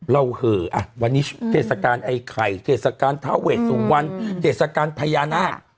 เราเคยอ่ะวันนี้เศรษฐการณ์ไอ้ไข่เศรษฐการณ์ท้าเวชสุวรรณเศรษฐการณ์พญานาค